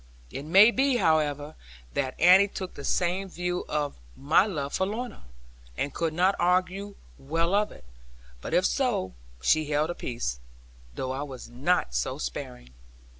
It may be, however, that Annie took the same view of my love for Lorna, and could not augur well of it; but if so, she held her peace, though I was not so sparing.